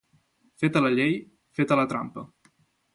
Feta la llei, feta la trampa.